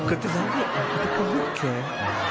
คนที่รักแบบก็ไม่แข็ง